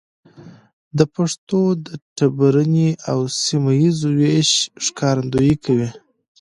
د پښتو د ټبرني او سيمه ييز ويش ښکارندويي کوي.